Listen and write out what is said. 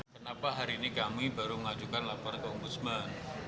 kenapa hari ini kami baru ngajukan laporan ke umbusman